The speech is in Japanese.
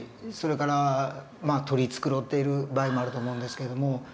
それから取り繕っている場合もあると思うんですけれども。